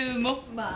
まあ。